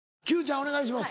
お願いします。